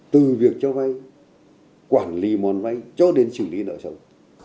từ việc cho vay quản lý món vay cho đến xử lý nợ xấu